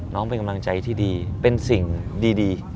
น้องเป็นกำลังใจที่ดีเป็นสิ่งดี